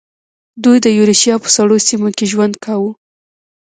دوی د یوریشیا په سړو سیمو کې ژوند کاوه.